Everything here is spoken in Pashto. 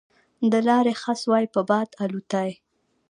د لارې خس وای په باد الوتای